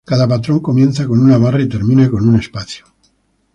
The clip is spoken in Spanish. Cada patrón comienza con una barra y termina con un espacio.